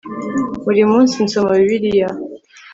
buri munsi nsoma bibiliya